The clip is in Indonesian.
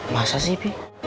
masa sih bi